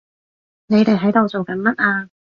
你哋喺度做緊乜啊？